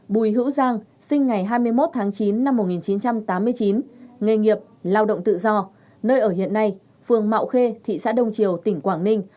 bùi hữu giang sinh ngày hai mươi một tháng chín năm một nghìn chín trăm tám mươi chín nghề nghiệp lao động tự do nơi ở hiện nay phường mạo khê thị xã đông triều tỉnh quảng ninh